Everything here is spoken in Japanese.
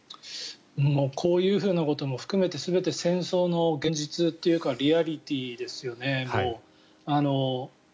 こういうふうなことも含めて全て戦争の現実というかリアリティーですよね。